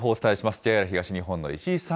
ＪＲ東日本の石井さん。